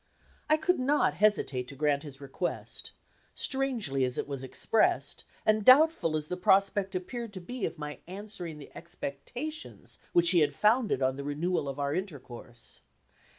I could not hesitate to grant his request strangely as it was expressed, and doubtful as the prospect appeared to be of my answering the expectations which he had founded on the renewal of our intercourse.